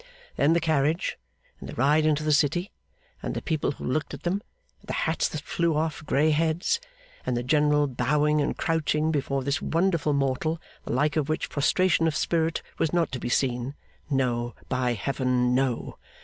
Then the carriage, and the ride into the City; and the people who looked at them; and the hats that flew off grey heads; and the general bowing and crouching before this wonderful mortal the like of which prostration of spirit was not to be seen no, by high Heaven, no!